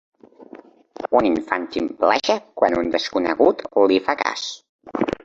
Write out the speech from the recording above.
Un infant ximpleja quan un desconegut li fa cas.